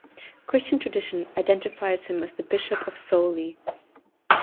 Christian tradition identifies him as the Bishop of Soli.